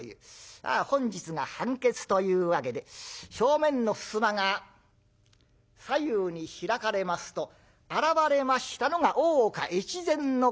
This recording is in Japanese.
本日が判決というわけで正面の襖が左右に開かれますと現れましたのが大岡越前守様という。